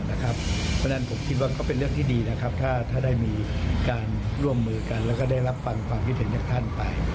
เพราะฉะนั้นผมคิดว่าก็เป็นเรื่องที่ดีนะครับถ้าได้มีการร่วมมือกันแล้วก็ได้รับฟังความคิดเห็นจากท่านไป